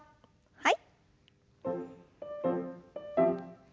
はい。